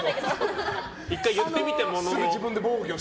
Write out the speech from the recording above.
１回言ってみたものの。